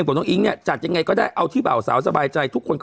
ปกอย่างไรก็ได้เอาที่เบาสาวสบายใจทุกคนก็